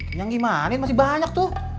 kenyang gimane masih banyak tuh